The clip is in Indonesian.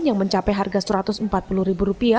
yang mencapai harga rp satu ratus empat puluh